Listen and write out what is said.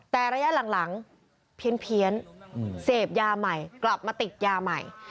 แต่ระยะหลังเพี้ยนเสพยาใหม่กลับมาติดยาใหม่